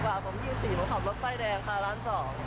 ๒๔บาทผม๒๔บาทขับรถไฟแดงค่ะร้าน๒